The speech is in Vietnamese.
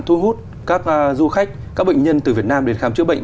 thu hút các du khách các bệnh nhân từ việt nam đến khám chữa bệnh